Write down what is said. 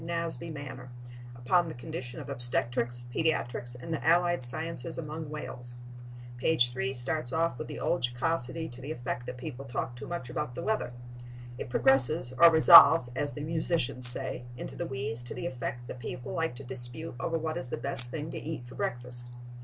Nasby manner upon the condition of obstetrics, pediatrics and the allied sciences among whales. Page 3 starts off with the old jocosity to the effect that people talk too much about the weather. It progresses or resolves, as the musicians say, into the wheeze to the effect that people like to dispute over what is the best thing to eat for breakfast.